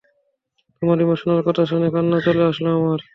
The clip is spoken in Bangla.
তোমার ইমোশনাল কথা শুনে কান্না চলে আসলো আমার।